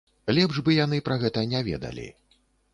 Лепш бы яны пра гэта не ведалі.